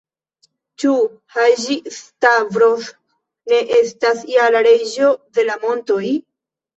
Ĉu Haĝi-Stavros ne estas ja la Reĝo de la montoj?